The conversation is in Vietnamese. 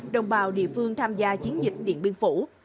đồng bào địa phương tham gia chiến dịch điện biên phủ